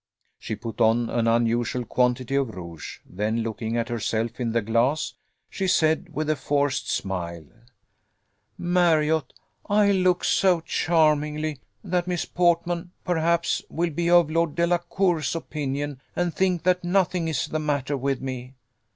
She put on an unusual quantity of rouge: then looking at herself in the glass, she said, with a forced smile, "Marriott, I look so charmingly, that Miss Portman, perhaps, will be of Lord Delacour's opinion, and think that nothing is the matter with me.